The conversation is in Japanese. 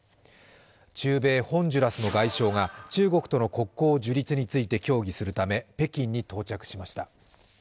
中米ホンジュラスの外相が中国との国交樹立について競技するため北京に到着しました。